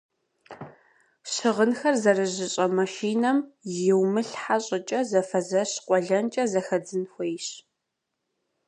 Щыгъынхэр зэрыжьыщӏэ машинэм йумылъхьэ щӏыкӏэ зэфэзэщ-къуэлэнкӏэ зэхэдзын хуейщ.